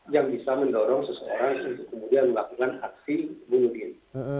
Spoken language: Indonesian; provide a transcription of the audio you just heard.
yang bisa mendorong seseorang untuk melakukan aksi bunuh diri